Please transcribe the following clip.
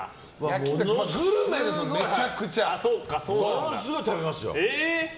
ものすごい食べますよ。